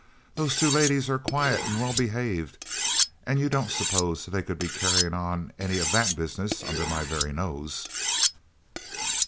Those two ladies are quiet and well behaved, and you don't suppose they could be carrying on any of that business under my very nose!'"